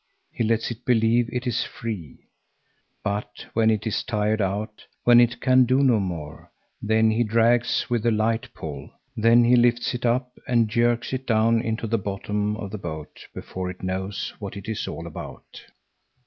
He lets it believe it is free. But when it is tired out, when it can do no more, then he drags with a light pull, then he lifts it up and jerks it down into the bottom of the boat before it knows what it is all about.